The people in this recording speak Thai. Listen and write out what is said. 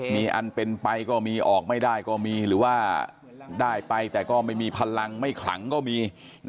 มีอันเป็นไปก็มีออกไม่ได้ก็มีหรือว่าได้ไปแต่ก็ไม่มีพลังไม่ขลังก็มี